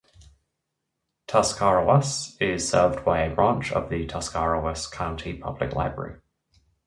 Tuscarawas is served by a branch of the Tuscarawas County Public Library.